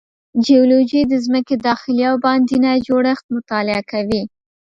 جیولوجی د ځمکې داخلي او باندینی جوړښت مطالعه کوي.